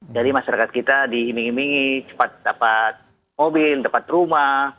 jadi masyarakat kita diiming imingi cepat dapat mobil dapat rumah